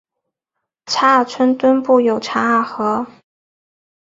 查尔村东部有嚓尔河。